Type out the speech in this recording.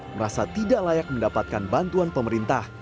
merasa tidak layak mendapatkan bantuan pemerintah